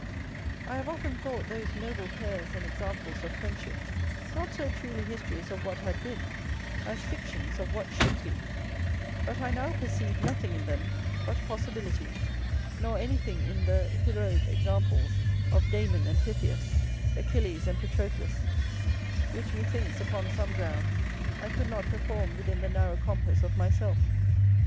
I have often thought those noble pairs and examples of friendship, not so truly histories of what had been, as fictions of what should be; but I now perceive nothing in them but possibilities, nor anything in the heroick examples of Damon and Pythias, Achilles and Patroclus, which, methinks, upon some grounds, I could not perform within the narrow compass of myself.